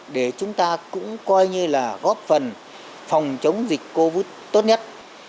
để chúng ta cũng coi như là góp phần phòng chống dịch covid tốt nhất